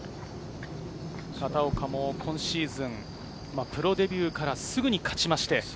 片岡も今シーズン、プロデビューからすぐに勝ちまして。